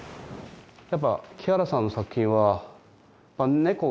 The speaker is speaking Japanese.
やっぱ木原さんの作品は。